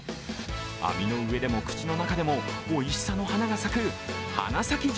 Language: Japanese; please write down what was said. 網の上でも、口の中でもおいしさの花が咲く花咲上